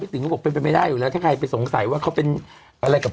ติ๋งก็บอกเป็นไปไม่ได้อยู่แล้วถ้าใครไปสงสัยว่าเขาเป็นอะไรกับ